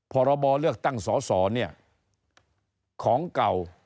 พรบเลือกตั้งสอสอเนี่ยของเก่า